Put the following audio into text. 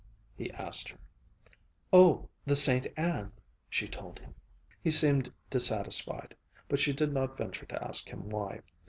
he asked her. "Oh, the Saint Anne," she told him. He seemed dissatisfied. But she did not venture to ask him why.